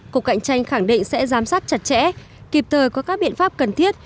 cục cạnh tranh khẳng định sẽ giám sát chặt chẽ kịp thời có các biện pháp cần thiết